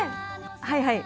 はいはい。